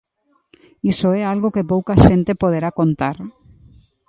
Iso é algo que pouca xente poderá contar.